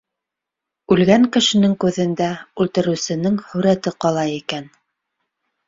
Үлгән кешенең күҙендә үлтереүсенең һүрәте ҡала икән.